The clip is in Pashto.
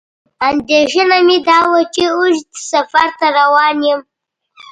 اندېښنه مې دا وه چې اوږد سفر ته روان یم.